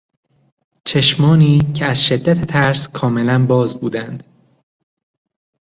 چشمانی که از شدت ترس کاملا باز بودند